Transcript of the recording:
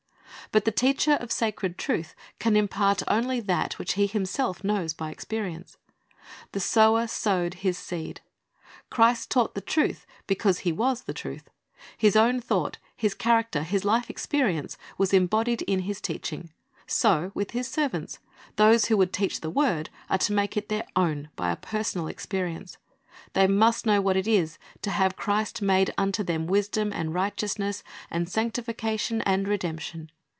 But the teacher of sacred truth can impart only that which he himself knows by experience. "The sower sowed his seed." Christ taught the truth because He w^s the truth. His own thought, His character, His life experience, were embodied in His teaching. So with His servants: those who would teach the word are to make it their own by a personal experience. They must know what it is to have Christ made unto them wisdom and righteousness and sanctification and redemption.